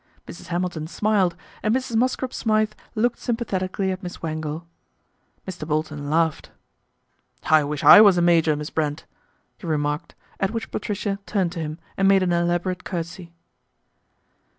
Mrs. Hamilton smiled and Mrs. Mosscrop Smythe looked sym pathetically at Miss Wangle. Mr. Bolton laughed. " I wish I was a major, Miss Brent," he re marked, at which Patricia turned to him and made an elaborate curtsy.